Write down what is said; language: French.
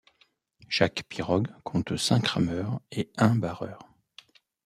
Chaque pirogue compte cinq rameurs et un barreur.